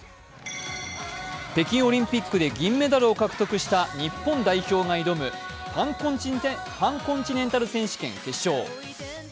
北京オリンピックで銀メダルを獲得した日本代表が挑むパンコンチネンタル選手権決勝。